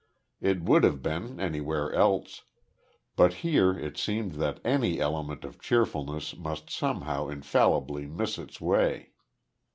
It would have been, anywhere else, but here it seemed that any element of cheerfulness must somehow infallibly miss its way.